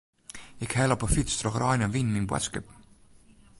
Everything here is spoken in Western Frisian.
Ik helle op 'e fyts troch rein en wyn myn boadskippen.